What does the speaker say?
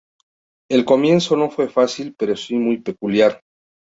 El comienzo no fue fácil pero si muy peculiar.